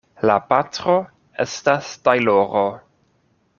La patro estas tajloro.